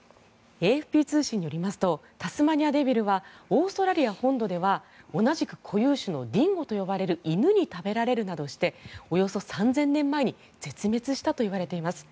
ＡＦＰ通信によりますとタスマニアデビルはオーストラリア本土では同じく固有種のディンゴと呼ばれる犬に食べられるなどしておよそ３０００年前に絶滅したといわれています。